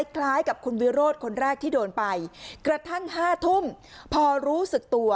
คล้ายกับคุณวิโรธคนแรกที่โดนไปกระทั่ง๕ทุ่มพอรู้สึกตัว